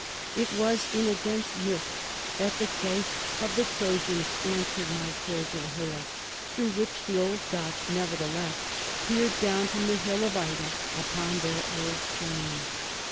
It was in a dense mist that the ghosts of the Trojans answered my cordial hail, through which the old Gods, nevertheless, peered down from the hill of Ida upon their old plain.